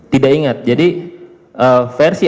tidak ingat jadi versi